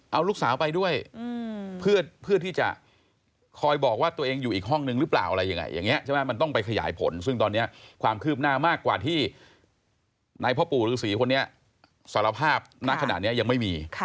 เอาลูกสาวไปด้วยเพื่อที่จะคอยบอกว่าตัวเองอยู่อีกห้องนึงหรือเปล่าอะไรยังไงอย่างนี้ใช่ไหมมันต้องไปขยายผลซึ่งตอนนี้ความคืบหน้ามากกว่าที่ในพ่อปู่ฤษีคนนี้สารภาพณขณะนี้ยังไม่มี